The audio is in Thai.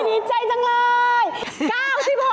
ดีใจจังเลย